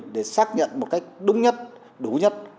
để xác nhận một cách đúng nhất đúng nhất